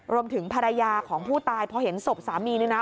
รวมถึงภรรยาของผู้ตายพอเห็นศพสามีนี่นะ